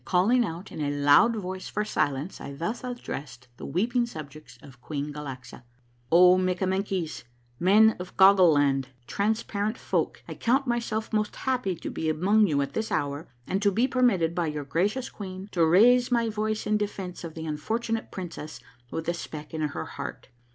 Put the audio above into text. Calling out in a loud voice for silence, I thus addressed the weeping subjects of Queen Galaxa :— "O Mikkamenkies, Men of Goggle Land, Transparent Folk, I count myself most happy to be among you at this hour and to be permitted, by your gracious queen, to raise my voice in de fence of the unfortunate princess with the speck in her heart.